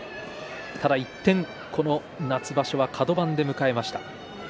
ただ一転夏場所はカド番で迎えました。